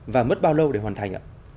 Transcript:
và mất bao lâu để hoàn thành